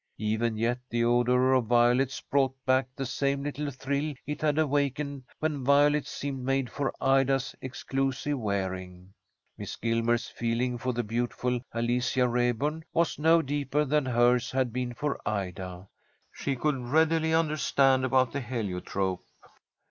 Even yet the odour of violets brought back the same little thrill it had awakened when violets seemed made for Ida's exclusive wearing. Miss Gilmer's feeling for the beautiful Alicia Raeburn was no deeper than hers had been for Ida. She could readily understand about the heliotrope.